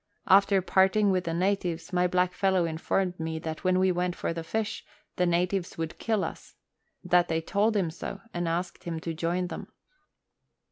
After parting with the natives, my blackfellow informed me that when we went for the fish the natives would kill us ; that they told him so, and asked him to join them.